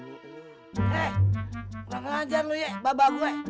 lo ngajar lo ya babah gue